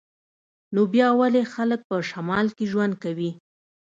نو بیا ولې خلک په شمال کې ژوند کوي